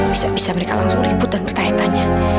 bisa bisa mereka langsung ribut dan bertanya tanya